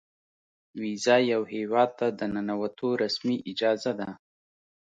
ویزه یو هیواد ته د ننوتو رسمي اجازه ده.